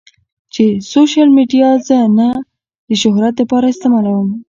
چې سوشل ميډيا زۀ نۀ د شهرت د پاره استعمالووم